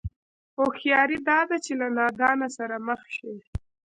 هوښياري دا ده چې له نادانه سره مخ شي.